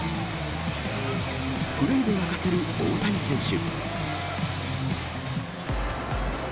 プレーで沸かせる大谷選手。